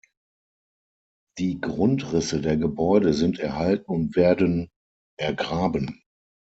Die Grundrisse der Gebäude sind erhalten und werden ergraben.